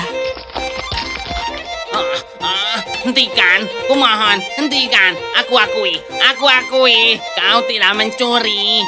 hentikan kumohon hentikan aku akui aku akui kau tidak mencuri